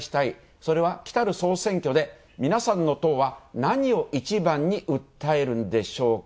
それは、来たる総選挙で皆さんの党は何を一番に訴えるんでしょうか？